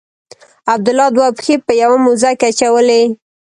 عبدالله دوې پښې په یوه موزه کې اچولي.